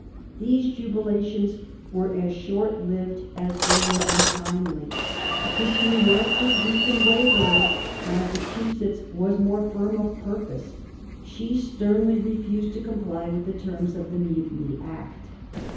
These jubilations were as short lived as they were untimely. If New York was weak and wavered, Massachusetts was more firm of purpose. She sternly refused to comply with the terms of the Mutiny Act.